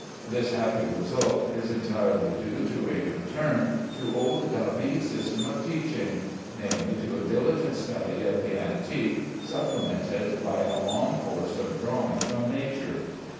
This happy result is entirely due to a return to old David's system of teaching; namely, to a diligent study of the antique, supplemented by a long course of drawing from nature.